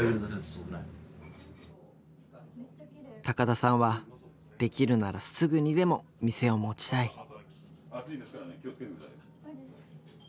高田さんはできるならすぐにでも店を持ちたい。